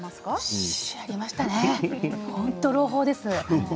本当に朗報です。